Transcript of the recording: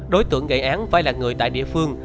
đối tượng gây án phải là người tại địa phương